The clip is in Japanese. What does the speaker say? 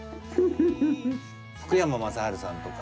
福山雅治さんとか。